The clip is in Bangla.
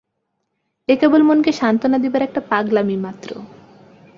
এ কেবল মনকে সান্ত্বনা দিবার একটা পাগলামি মাত্র।